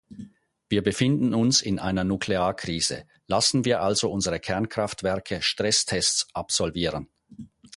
Wir befinden uns in einer Nuklearkrise, lassen wir also unsere Kernkraftwerke Stresstests absolvieren!